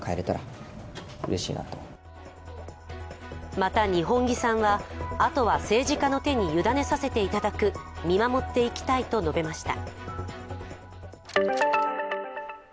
また、二本樹さんはあとは政治家の手にゆだねさせていただく、見守っていきたいと述べました。